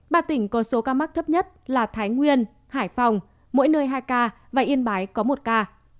ba tỉnh có số ca mắc thấp nhất là thái nguyên hải phòng mỗi nơi hai ca và yên bái có một ca